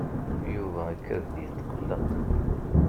Yuba ikad-d yetqelleq.